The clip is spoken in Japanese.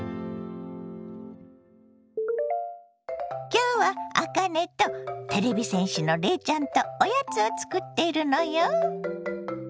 今日はあかねとてれび戦士のレイちゃんとおやつを作っているのよ。